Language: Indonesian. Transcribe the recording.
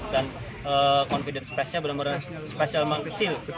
dan confidence pass nya benar benar spesial memang kecil